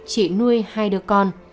chị nuôi hai đứa con